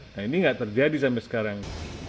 nah ini nggak terjadi sampai sekarang